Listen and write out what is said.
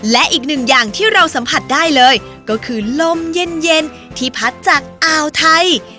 และอีกหนึ่งอย่างที่เราสัมผัสได้เลยก็คือลมเย็นที่พัดจากอ่าวไทย